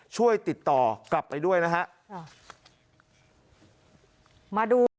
ช่วยติดต่อกลับไปด้วยนะฮะค่ะ